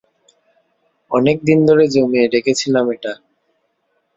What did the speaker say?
অনেকদিন ধরে জমিয়ে রেখেছিলাম এটা।